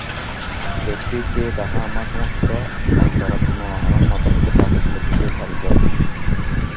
লোকটি কে তাহা আমার সমস্ত অন্তরাত্মা, আমার মাথা হইতে পা পর্যন্ত বুঝিতে পারিল।